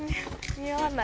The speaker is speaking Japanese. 似合わない？